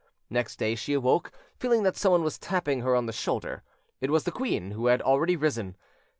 Next day she awoke, feeling that someone was tapping her on the shoulder: it was the queen, who had already arisen.